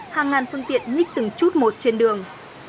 hàng ngàn phương tiện nhích từng chút một trên đường